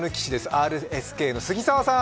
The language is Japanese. ＲＳＫの杉澤さん。